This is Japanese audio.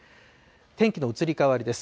天気の移り変わりです。